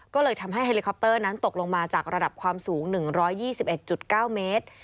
ก็เลยทำให้เฮลิคอปเตอร์นั้นตกลงมาจากระดับความสูง๑๒๑๙เมตร